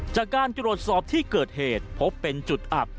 จากการตรวจสอบที่เกิดเหตุพบเป็นจุดอับ